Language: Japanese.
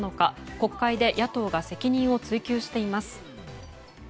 国会で野党が責任を追及しています。